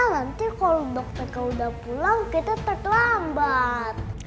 nanti kalau dokternya udah pulang kita tetap lambat